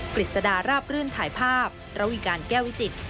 กฤษฎาราบรื่นถ่ายภาพระวีการแก้ววิจิตร